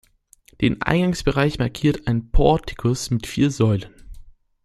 Den Eingangsbereich markiert ein Portikus mit vier Säulen.